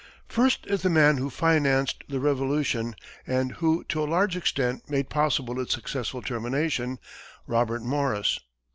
First is the man who financed the Revolution and who to a large extent made possible its successful termination Robert Morris.